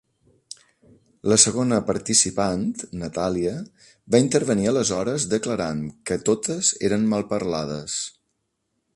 La segona participant, Natàlia, va intervenir aleshores declarant que totes eren malparlades.